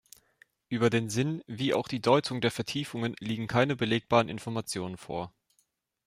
Über den Sinn, wie auch die Deutung der Vertiefungen liegen keine belegbaren Informationen vor.